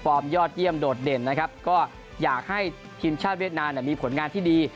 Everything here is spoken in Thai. ยอดเยี่ยมโดดเด่นนะครับก็อยากให้ทีมชาติเวียดนามมีผลงานที่ดี